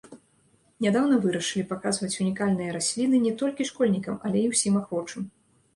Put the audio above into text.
Нядаўна вырашылі паказваць унікальныя расліны не толькі школьнікам, але і ўсім ахвочым.